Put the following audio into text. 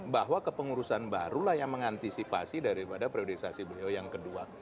bahwa kepengurusan barulah yang mengantisipasi daripada priorisasi beliau yang kedua